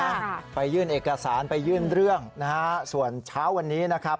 ค่ะไปยื่นเอกสารไปยื่นเรื่องนะฮะส่วนเช้าวันนี้นะครับ